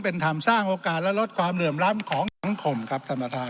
เป็นธรรมสร้างโอกาสและลดความเหลื่อมล้ำของสังคมครับท่านประธาน